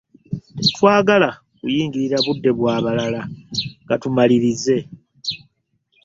Tetwagala kuyingirira budde bwa balala ka tumalirize.